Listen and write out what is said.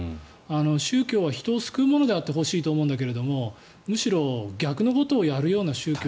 宗教は人を救うものであってほしいんだけどむしろ逆のことをやるような宗教。